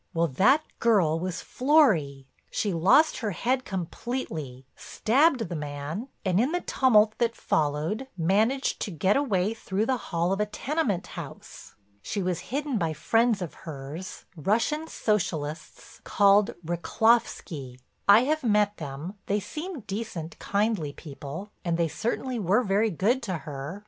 Well, that girl was Florry. She lost her head completely, stabbed the man, and in the tumult that followed, managed to get away through the hall of a tenement house. She was hidden by friends of hers, Russian socialists called Rychlovsky. I have met them; they seem decent, kindly people, and they certainly were very good to her.